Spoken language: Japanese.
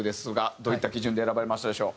どういった基準で選ばれましたでしょう？